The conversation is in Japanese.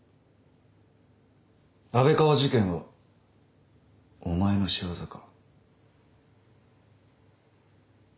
安倍川事件はお前の仕業か？